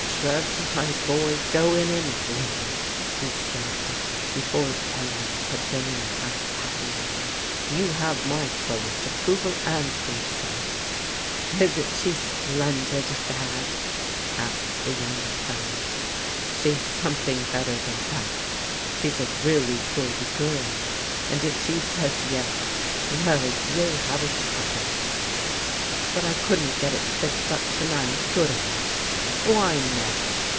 " Trev, my boy, go in and win !" he said before the Penryns had been in the house half an hour. " You have my fullest approval and consent." " Isn't she splendid, Dad? " asked the young fellow. " She's something better than that ; she's a really good girl, and if she says * yes '— well, you'll have a treasure.'* " But I couldn't get it fixed up to night, could I ?"" Why not